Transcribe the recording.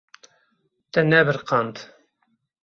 Te nebiriqand.